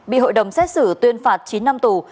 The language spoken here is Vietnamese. bị hội đồng xét xử tuyên phạt chín năm tù